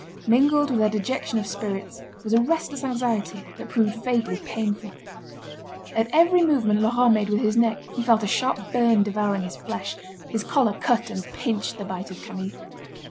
Mingled with their dejection of spirits, was a restless anxiety that proved vaguely painful. At every movement Laurent made with his neck, he felt a sharp burn devouring his flesh; his collar cut and pinched the bite of Camille.